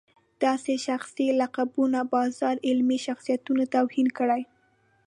داسې شخصي لقبونو بازار علمي شخصیتونو توهین کړی.